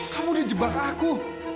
kamu udah jebak aku